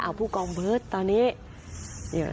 ผู้กองเบิร์ตตอนนี้